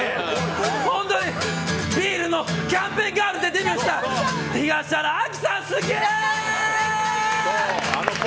本当にビールのキャンペーンガールでデビューした東原亜希さん好き。